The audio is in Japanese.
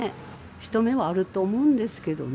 人目はあると思うんですけどね。